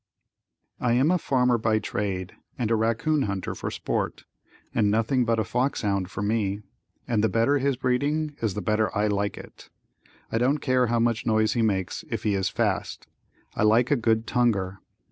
I am a farmer by trade and a raccoon hunter for sport, and nothing but a fox hound for me, and the better his breeding is the better I like it. I don't care how much noise he makes if he is fast. I like a good tonguer.